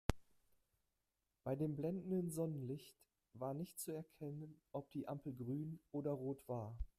Bei dem blendenden Sonnenlicht war nicht zu erkennen, ob die Ampel grün oder rot war.